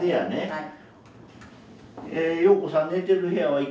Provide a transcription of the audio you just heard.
はい。